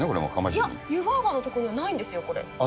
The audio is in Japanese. いや、湯婆婆のところにはないんですよ、これ。